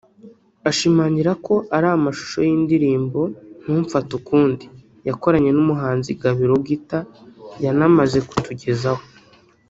ashimangira ko ari amashusho y’indirimbo ‘Ntumfate ukundi’ yakoranye n’umuhanzi Gabiro Guitar yanamaze kutugezaho